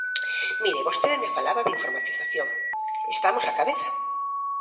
Mire, vostede me falaba da informatización: estamos á cabeza.